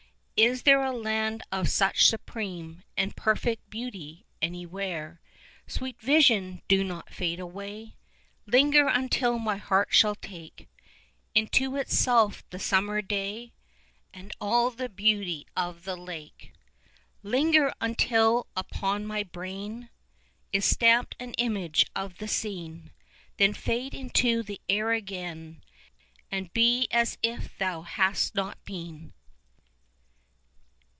Is there a land of such supreme 35 And perfect beauty anywhere? Sweet vision! Do not fade away; Linger until my heart shall take Into itself the summer day, And all the beauty of the lake. 40 Linger until upon my brain Is stamped an image of the scene, Then fade into the air again, And be as if thou hadst not been.